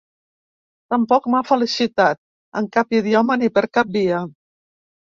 Tampoc m'ha felicitat, en cap idioma ni per cap via.